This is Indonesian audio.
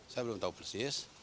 saya belum tahu persis